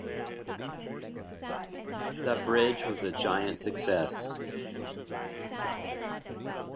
The bridge was a giant success.